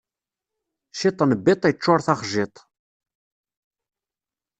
Ciṭ n biṭ iččuṛ taxjiḍt.